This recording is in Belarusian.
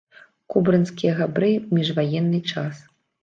Кобрынскія габрэі ў міжваенны час.